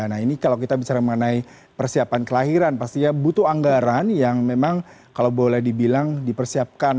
nah ini kalau kita bicara mengenai persiapan kelahiran pastinya butuh anggaran yang memang kalau boleh dibilang dipersiapkan